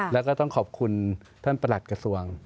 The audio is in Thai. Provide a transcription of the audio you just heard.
แล้วก็ต้องขอบคุณท่านประหลัดกระทรวง